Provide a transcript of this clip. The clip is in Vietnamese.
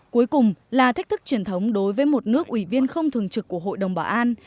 cuối cùng là thách thức truyền thống đối với một nước ủy viên không thường trực của hội đồng bảo an